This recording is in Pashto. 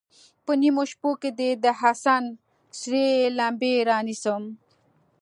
په نیمو شپو کې دې، د حسن سرې لمبې رانیسم